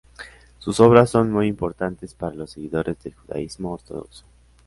Sus obras son muy importantes para los seguidores del judaísmo ortodoxo.